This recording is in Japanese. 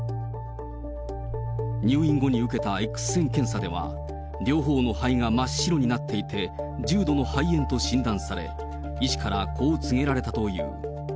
入院後に受けたエックス線検査では、両方の肺が真っ白になっていて、重度の肺炎と診断され、医師からこう告げられたという。